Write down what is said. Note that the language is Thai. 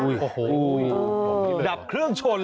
โห้ยปิดปับดับเครื่องชน